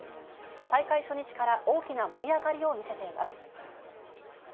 大会初日から大きな盛り上がりを見せています。